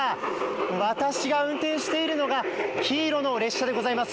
私が運転しているのが黄色の列車でございます。